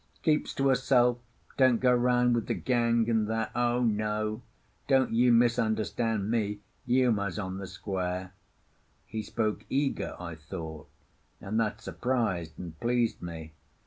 Keeps to herself, don't go round with the gang, and that. O no, don't you misunderstand me—Uma's on the square." He spoke eager, I thought, and that surprised and pleased me.